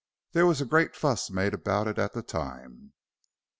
There was a great fuss made about it at the time."